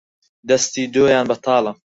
دەستی دۆیان بەتاڵە